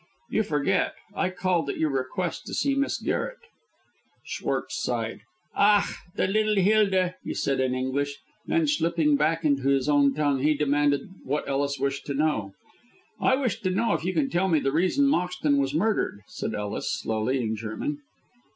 "You forget. I called, at your request, to see Miss Garret." Schwartz sighed. "Ach! the liddle Hilda," he said in English; then slipping back into his own tongue, he demanded what Ellis wished to know. "I wish to know if you can tell me the reason Moxton was murdered?" said Ellis, slowly, in German.